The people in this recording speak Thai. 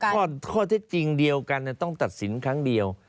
ข้อเท็จจริงเดียวกันต้องตัดสินครั้งเดียว